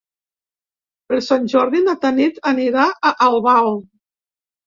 Per Sant Jordi na Tanit anirà a Albal.